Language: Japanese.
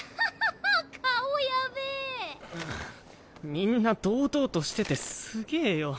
みんな堂々としててすげぇよ。